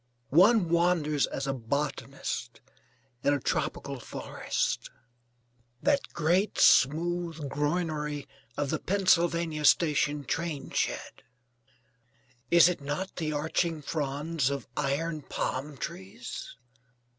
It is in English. One wanders as a botanist in a tropical forest. That great smooth groinery of the Pennsylvania Station train shed: is it not the arching fronds of iron palm trees?